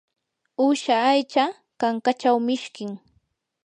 uusha aycha kankachaw mishkim.